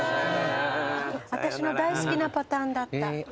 私の大好きなパターンだった。